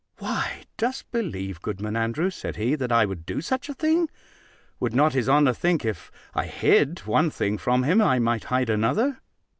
"Why, dost believe, Goodman Andrews," said he, "that I would do such a thing? Would not his honour think if I hid one thing from him, I might hide another?